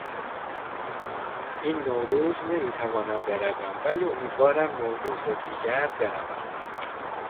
این نوروز نمیتوانم بروم ولی امیدوارم نوروز دیگر بروم.